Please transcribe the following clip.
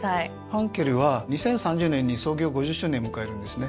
ファンケルは２０３０年に創業５０周年迎えるんですね。